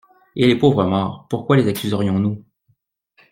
Et les pauvres morts pourquoi les accuserions-nous?